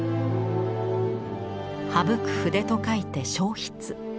省く筆と書いて「省筆」。